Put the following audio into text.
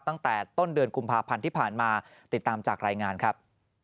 ตั้งแต่ต้นเดือนกุมภาพันธ์ที่ผ่านมาติดตามจากรายงานครับ